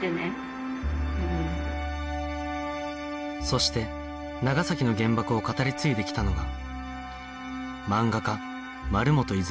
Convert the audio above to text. そして長崎の原爆を語り継いできたのが